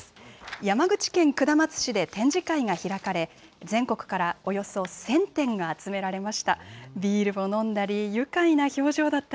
山口県下松市で展示会が開かれ、全国からおよそ１０００点が集められました。